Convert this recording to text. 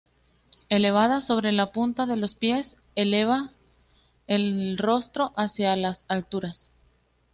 Elevada sobre la punta de los pies, eleva el rostro hacia las alturas.